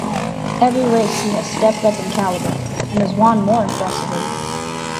Every race he has stepped up in calibre and has won more impressively.